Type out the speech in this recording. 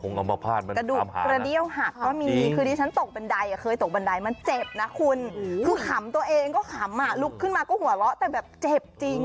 กระดูกหักกระเดี้ยวหักก็มีคือที่ฉันตกบันไดอ่ะเคยตกบันไดมันเจ็บนะคุณคือขำตัวเองก็ขำอ่ะลุกขึ้นมาก็หัวเราะแต่แบบเจ็บจริง